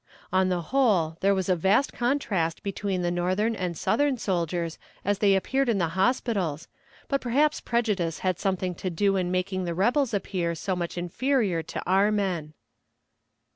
On the whole there was a vast contrast between the northern and southern soldiers as they appeared in the hospitals, but perhaps prejudice had something to do in making the rebels appear so much inferior to our men.